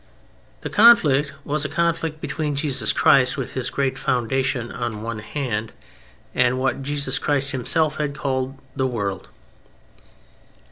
The conflict was a conflict between Jesus Christ with His great foundation on the one hand, and what Jesus Christ Himself had called "the world."